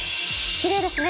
きれいですね。